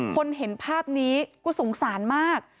เห็นภาพนี้ก็สงสารมาก